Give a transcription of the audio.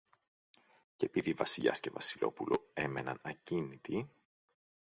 Κι επειδή Βασιλιάς και Βασιλόπουλο έμεναν ακίνητοι